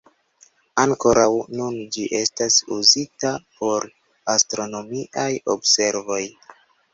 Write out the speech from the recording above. Ankoraŭ nun ĝi estas uzita por astronomiaj observoj.